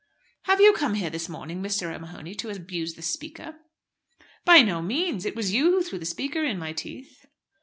"Have you come here this morning, Mr. O'Mahony, to abuse the Speaker?" "By no means. It was you who threw the Speaker in my teeth."